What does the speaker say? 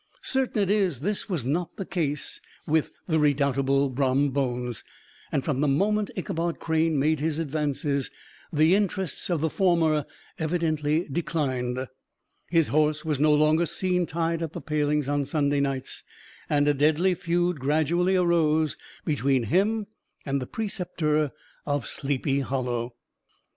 Certain it is, this was not the case with the redoubtable Brom Bones; and from the moment Ichabod Crane made his advances, the interests of the former evidently declined: his horse was no longer seen tied at the palings on Sunday nights, and a deadly feud gradually arose between him and the preceptor of Sleepy Hollow.